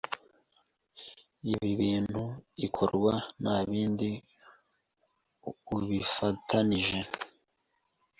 Ibi bintu ikorwa ntabindi ubifatanije